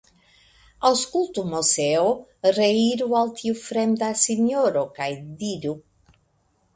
Aŭskultu, Moseo; reiru al tiu fremda sinjoro kaj diruk